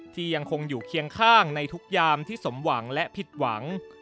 ยังคงอยู่เคียงข้างในทุกยามที่สมหวังและผิดหวัง